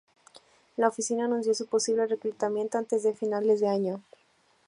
La oficina anunció su posible reclutamiento antes de finales de año.